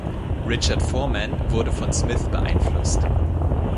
Richard Foreman wurde von Smith beeinflusst.